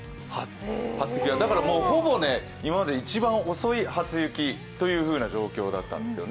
だからほぼ今までで一番遅い初雪という状況だったんですよね。